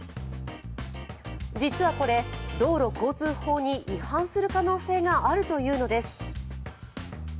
実はこれ、道路交通法に違反する可能性があるというのです。